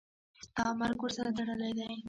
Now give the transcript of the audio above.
ستا مرګ ورسره تړلی دی.